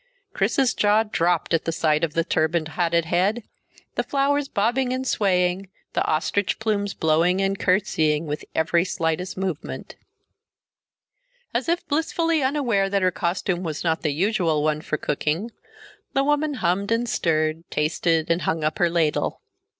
Chris's jaw dropped at the sight of the turbaned, hatted head, the flowers bobbing and swaying, the ostrich plumes blowing and curtseying with every slightest movement. As if blissfully unaware that her costume was not the usual one for cooking, the woman hummed and stirred, tasted, and hung up her ladle.